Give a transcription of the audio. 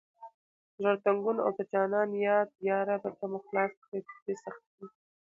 زړه تنګون او د جانان یاد یا ربه ته مو خلاص کړه دې سختي…